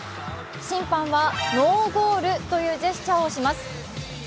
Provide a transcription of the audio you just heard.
審判はノーゴールというジェスチャーをします